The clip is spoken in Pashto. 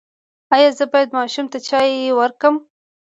ایا زه باید ماشوم ته چای ورکړم؟